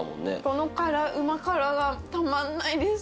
このうま辛がたまんないです。